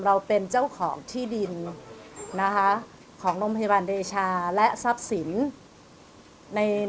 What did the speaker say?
เราเป็นเจ้าของที่ดินนะคะของโรงพยาบาลเดชาและทรัพย์สินใน